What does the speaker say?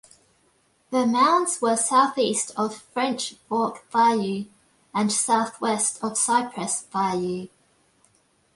The mounds were southeast of French Fork Bayou and southwest of Cypress Bayou.